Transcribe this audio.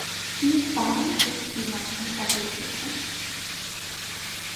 তিনি তাঁরই এস পি-র মাধ্যমে তা টের পেয়েছেন।